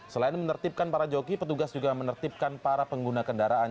selain menertibkan para joki petugas juga menertibkan para pengguna kendaraan